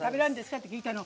って聞いたの。